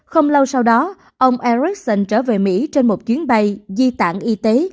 không lâu sau đó ông ericsson trở về mỹ trên một chuyến bay di tản y tế